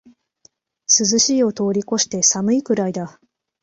涼しいを通りこして寒いくらいだ